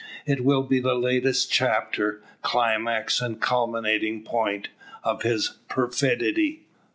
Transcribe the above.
It will be the latest chapter, climax and culminating point, of his perfidy!